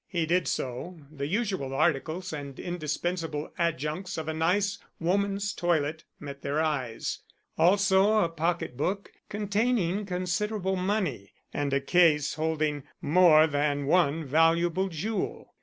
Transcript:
He did so. The usual articles and indispensable adjuncts of a nice woman's toilet met their eyes. Also a pocketbook containing considerable money and a case holding more than one valuable jewel.